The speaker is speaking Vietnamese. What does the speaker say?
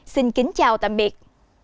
xin kính chào tạm biệt